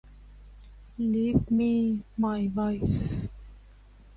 Leave me my wife.